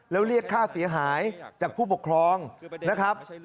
แล้วเรียกค่าเสียหายจากผู้ปกครองนะครับ